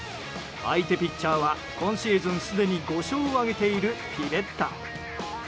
相手ポイントは今シーズンすでに５勝を挙げているピベッタ。